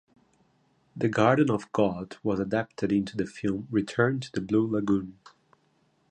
"The Garden of God" was adapted into the film "Return to the Blue Lagoon".